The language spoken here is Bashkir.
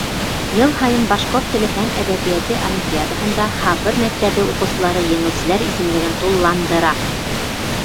Йыл һайын башҡорт теле һәм әҙәбиәте олимпиадаһында Һабыр мәктәбе уҡыусылары еңеүселәр исемлеген тулыландыра.